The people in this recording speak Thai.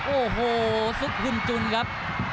โอ้โฮซุทคุญจุนครับ